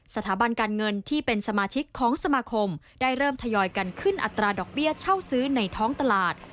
สถาบันการเงินที่เป็นสมาชิกของสมาคมได้เริ่มทยอยกันขึ้นอัตราดอกเบี้ยเช่าซื้อในท้องตลาด